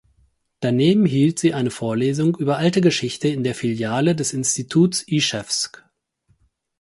Daneben hielt sie eine Vorlesung über Alte Geschichte in der Filiale des Instituts Ischewsk.